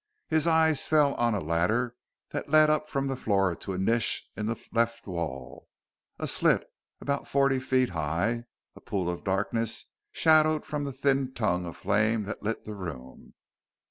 His eyes fell on a ladder that led up from the floor to a niche in the left wall a slit about forty feet high, a pool of darkness, shadowed from the thin tongue of flame that lit the room.